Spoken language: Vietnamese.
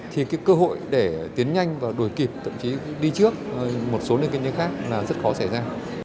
thì cơ hội để tiến nhanh và đổi kịp thậm chí đi trước một số nơi kinh tế khác là rất khó xảy ra